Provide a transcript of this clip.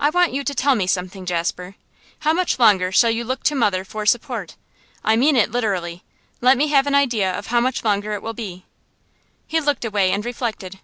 'I want you to tell me something, Jasper. How much longer shall you look to mother for support? I mean it literally; let me have an idea of how much longer it will be.' He looked away and reflected.